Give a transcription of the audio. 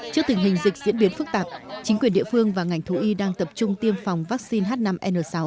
chính quyền địa phương và ngành thủ y đang tập trung tiêm phòng vaccine h năm n sáu